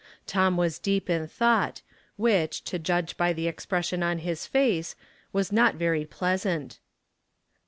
Tom was deep in thought, which, to judge by the ex pression on his face, was not very pleasant.